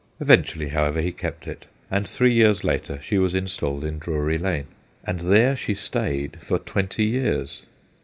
Eventually, however, he kept it ; and three years later she was installed in Drury Lane. And there she stayed for twenty years.